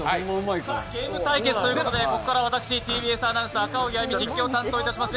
ゲーム対決ということで、ここからは私、ＴＢＳアナウンサー、赤荻歩が実況いたします。